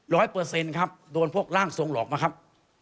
เปอร์เซ็นต์ครับโดนพวกร่างทรงหลอกมาครับ